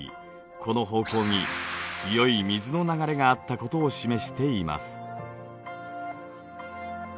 この方向に強い水の流れがあったことを示しています。